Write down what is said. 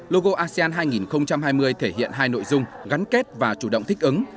logo asean hai nghìn hai mươi thể hiện hai nội dung gắn kết và chủ động thích ứng